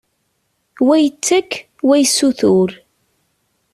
Wa yettak, wa yessutur.